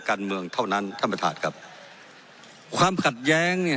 การเมืองเท่านั้นท่านประธานครับความขัดแย้งเนี่ย